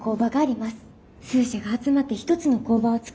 数社が集まって一つの工場を作り